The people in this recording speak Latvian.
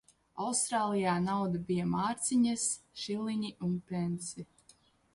Austrālijā nauda bija mārciņas, šiliņi un pensi.